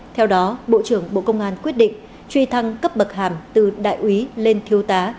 theo đó bộ trưởng bộ công an quyết định truy thăng cấp bậc hàm từ đại úy lên thiếu tá